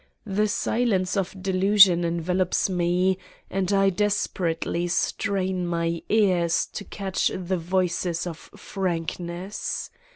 The silence of delusion envelops me and I desperately strain my ears to catch the voices of frankness.